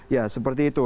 ya seperti itu